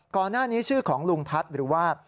ก่อนหน้านี้ชื่อของลุงทัศน์หรือว่า